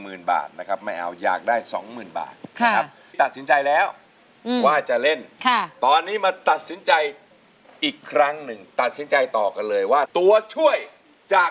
หมื่นบาทนะครับไม่เอาอยากได้สองหมื่นบาทนะครับตัดสินใจแล้วว่าจะเล่นตอนนี้มาตัดสินใจอีกครั้งหนึ่งตัดสินใจต่อกันเลยว่าตัวช่วยจะ